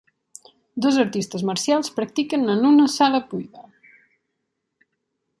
Dos artistes marcials practiquen en una sala buida.